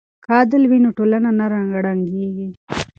که عدل وي نو ټولنه نه ړنګیږي.